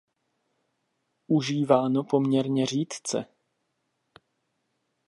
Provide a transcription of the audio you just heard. Užíváno poměrně řídce.